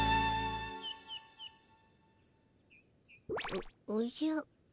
おおじゃ。